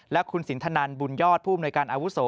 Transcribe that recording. และคุณสินทนันบุญยอดผู้อำนวยการอาวุโส